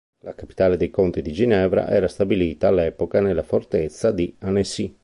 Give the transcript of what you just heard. La capitale dei conti di Ginevra era stabilita all'epoca nella fortezza di Annecy.